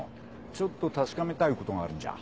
ちょっと確かめたいことがあるんじゃ。